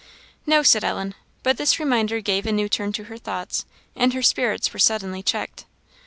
"No," said Ellen. But this reminder gave a new turn to her thoughts, and her spirits were suddenly checked.